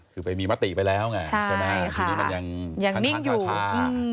คือไปมีมติไปแล้วไงใช่ค่ะชีวิตนี้มันยังคันคันค่า